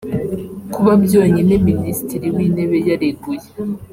Kuba byonyine Minisitiri w’Intebe yareguye